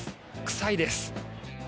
臭いです。